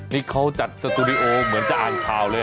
นี่เขาจัดสตูดิโอเหมือนจะอ่านข่าวเลย